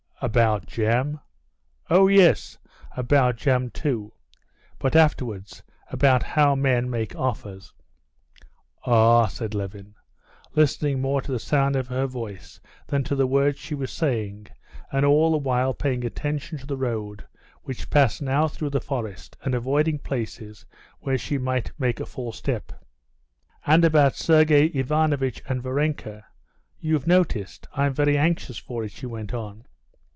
"About jam?" "Oh, yes, about jam too; but afterwards, about how men make offers." "Ah!" said Levin, listening more to the sound of her voice than to the words she was saying, and all the while paying attention to the road, which passed now through the forest, and avoiding places where she might make a false step. "And about Sergey Ivanovitch and Varenka. You've noticed?... I'm very anxious for it," she went on.